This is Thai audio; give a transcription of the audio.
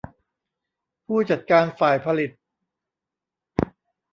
ผู้จัดการฝ่ายผลิต